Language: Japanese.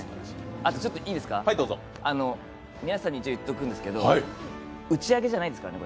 あとちょっといいですか皆さんに一応、言っとくんですけど打ち上げじゃないですからね？